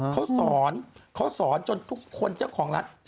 เขาสอนจนทุกคนเจ้าของละ